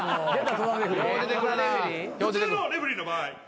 戸田レフェリーの場合。